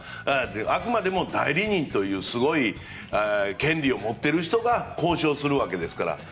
あくまでも代理人というすごい権利を持っている人が交渉するわけですから。